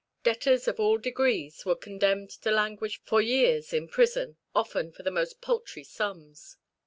Debtors of all degrees were condemned to languish for years in prison, often for the most paltry sums.